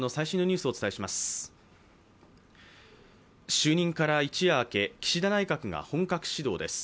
就任から一夜明け、岸田内閣が本格始動です。